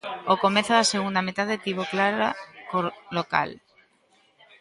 O comezo da segunda metade tivo clara cor local.